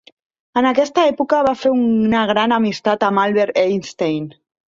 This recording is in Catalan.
En aquesta època va fer una gran amistat amb Albert Einstein.